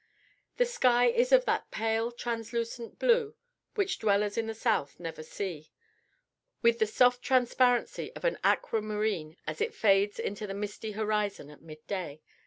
The sky is of that pale, translucent blue which dwellers in the South never see, with the soft transparency of an aquamarine as it fades into the misty horizon at midday.